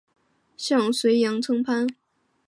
向隋朝称藩。